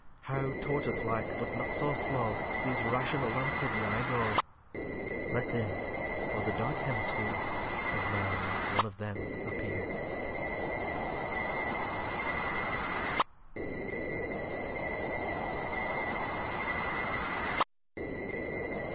How Tortoise like, but not so slow, These rational Amphibii go? Let's in: for the dark Hemisphere Does now like one of them appear.